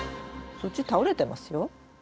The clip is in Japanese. そっち倒れてますよ。